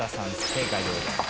正解でございます。